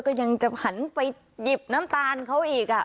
ก็ยังจะหันไปหยิบน้ำตาลเขาอีก